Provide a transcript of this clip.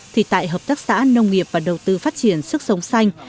thì tại hợp tác xã nông nghiệp và đầu tư phát triển sức sống xanh